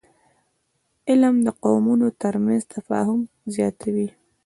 علم د قومونو ترمنځ تفاهم زیاتوي